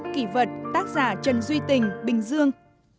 kỷ vật tác giả trần duy tình bình dương